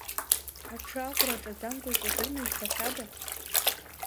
Аҽы аӷәра аҿаӡамкәа, икәадырны избахьада?